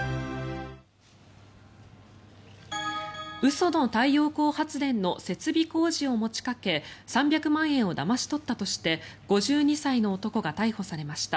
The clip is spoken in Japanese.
嘘の太陽光発電の設備工事を持ちかけ３００万円をだまし取ったとして５２歳の男が逮捕されました。